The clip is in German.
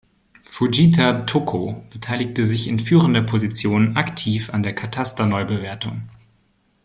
Fujita Tōko beteiligte sich in führender Position aktiv an der Kataster-Neubewertung.